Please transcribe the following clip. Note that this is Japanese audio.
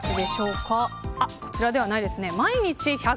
こちらではないですね。